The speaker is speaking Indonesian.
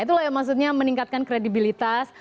itu lah yang maksudnya meningkatkan kredibilitas